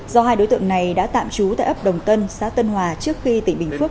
do hai đối tượng này đã tạm trú tại ấp đồng tân xã tân hòa trước khi tỉnh bình phước